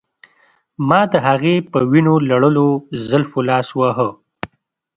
ما د هغې په وینو لړلو زلفو لاس واهه